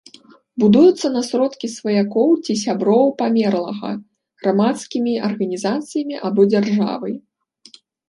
Будуюцца на сродкі сваякоў ці сяброў памерлага, грамадскімі арганізацыямі або дзяржавай.